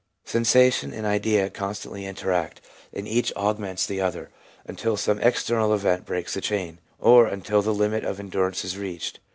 Sensation and idea constantly interact, and each augments the other, until some external event breaks the chain, or until the limit of endurance is reached.